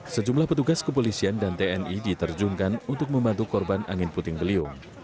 sejumlah petugas kepolisian dan tni diterjunkan untuk membantu korban angin puting beliung